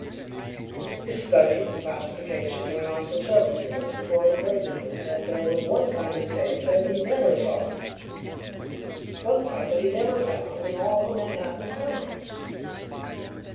His study and classification went on for several years before it occurred to him that there was one kind of face that he never saw one type that he never found in all the Manhattan crowds.